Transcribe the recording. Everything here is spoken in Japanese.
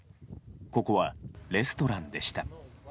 ここはレストランでした。